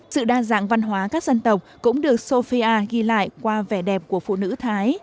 sự đa dạng văn hóa các dân tộc cũng được sofia ghi lại qua vẻ đẹp của phụ nữ thái